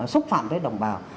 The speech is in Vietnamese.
xúc phạm tới đồng bào